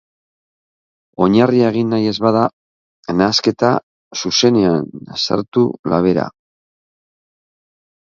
Oinarria egin nahi ez bada, nahasketa zuzenean sartu labera.